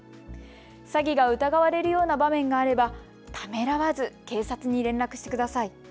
詐欺が疑われるような場面があればためらわず警察に連絡してください。